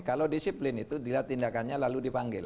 kalau disiplin itu tindakannya lalu dipanggil